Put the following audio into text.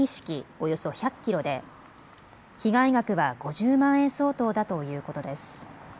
およそ１００キロで被害額は５０万円相当だということです。